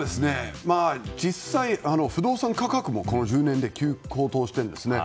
実際、不動産価格もこの１０年で高騰しているんですね。